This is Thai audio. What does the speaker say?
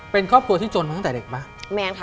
เป็นครอบครัวที่จนมาตั้งแต่เด็กป่ะ